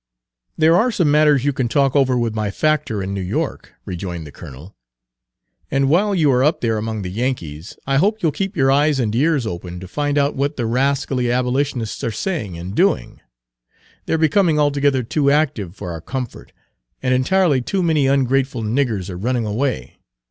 "There are some matters you can talk over with my factor in New York," rejoined the colonel, "and while you are up there among the Yankees, I hope you'll keep your eyes and ears open to find out what the rascally abolitionists are saying and doing. They're becoming altogether too active for our comfort, and entirely too many ungrateful niggers are running away.